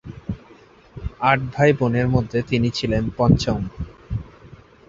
আট ভাই-বোনের মধ্যে তিনি ছিলেন পঞ্চম।